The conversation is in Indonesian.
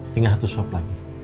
tinggal satu suap lagi